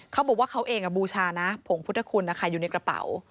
เขาบอกว่าเขาเองบูชานะผงพุทธคุณนะคะอยู่ในกระเป๋า